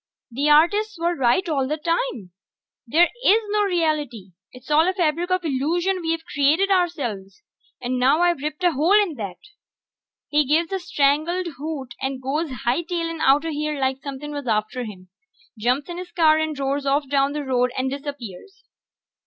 "The artists were right all the time ... there is no reality! It's all a fabric of illusion we've created ourselves! And now I've ripped a hole in that!" He gives a strangled hoot and goes hightailin' outta here like somepin' was after him. Jumps in his car and roars off down the road and disappears.